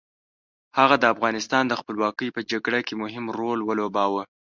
هغه د افغانستان د خپلواکۍ په جګړه کې مهم رول ولوباوه.